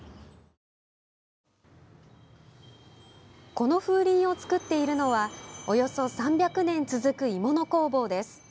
この風鈴を作っているのはおよそ３００年続く鋳物工房です。